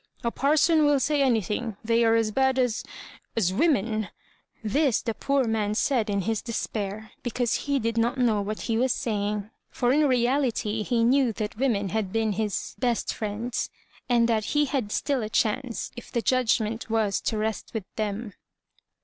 " A parson will say anything; they are as bad as — as women," This the poor man said in his despair, because he did not know what he was saying ; for In reality he knew that women had been his best friends, and that be had still a chance, if the judgoQcnt was to rest with them.